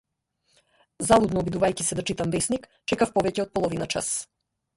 Залудно обидувајќи се да читам весник, чекав повеќе од половина час.